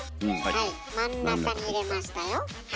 はい真ん中に入れましたよ。